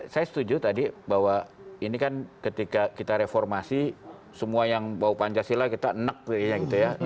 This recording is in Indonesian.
saya setuju tadi bahwa ini kan ketika kita reformasi semua yang bawa pancasila kita nek jadinya gitu ya